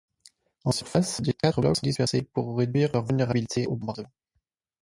En surface, les quatre blocs sont dispersés pour réduire leur vulnérabilité aux bombardements.